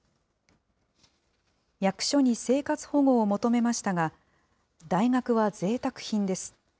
役所に生活保護を求めましたが、大学はぜいたく品です。